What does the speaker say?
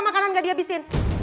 makanan gak dihabisin